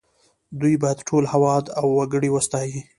دوی باید ټول هېواد او وګړي وستايي